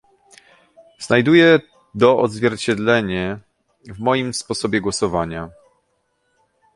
Znajduje do odzwierciedlenie w moim sposobie głosowania